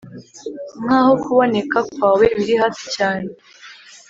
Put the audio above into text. nkaho kuboneka kwawe biri hafi cyane.